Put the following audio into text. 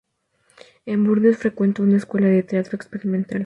En Burdeos frecuentó una escuela de teatro experimental.